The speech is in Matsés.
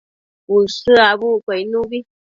Ushë abucquio icnubi